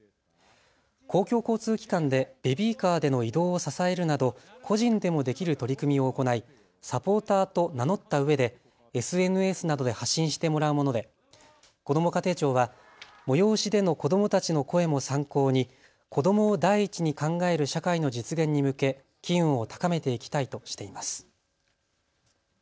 公共交通機関でベビーカーでの移動を支えるなど個人でもできる取り組みを行い、サポーターと名乗ったうえでＳＮＳなどで発信してもらうものでこども家庭庁は催しでの子どもたちの声も参考に子どもを第一に考える社会の実現に向け機運を高めていきたいとしています。